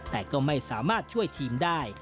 แต่ก็ไม่สามารถช่วยทีมได้